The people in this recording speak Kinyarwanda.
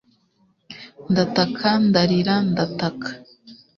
ndataka, ndarira, ndataka